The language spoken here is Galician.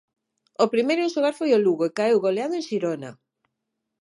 O primeiro en xogar foi o Lugo, e caeu goleado en Xirona.